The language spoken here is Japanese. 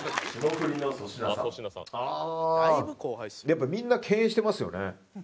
やっぱみんな敬遠してますよね。